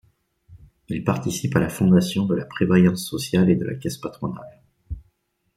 Il participe à la fondation de la Prévoyance Sociale et de la Caisse Patronale.